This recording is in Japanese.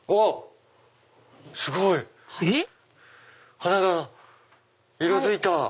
花が色づいた！